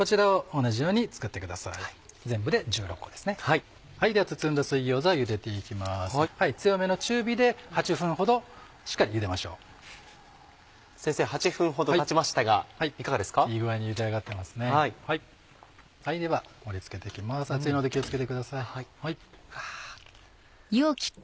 熱いので気を付けてください。